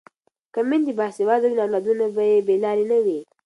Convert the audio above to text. که میندې باسواده وي نو اولادونه به یې بې لارې نه وي.